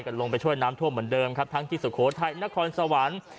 ลงไปช่วยน้ำท่วมเหมือนเดิมครับทั้งที่สุโขทัยนครสวรรค์